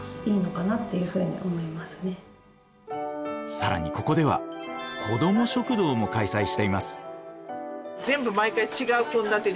更にここでは子ども食堂も開催しています。